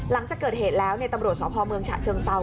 ตอนจะเกิดเหตุแล้วเนี่ยตำรวจสอบภอมเมืองฉะเชิงเศร้า